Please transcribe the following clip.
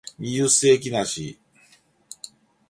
二十世紀梨